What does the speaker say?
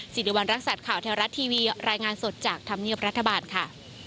สิริวัณรักษัตริย์ข่าวแท้รัฐทีวีรายงานสดจากธรรมเนียบรัฐบาลค่ะ